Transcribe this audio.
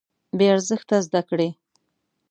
بې ارزښته زده کړې.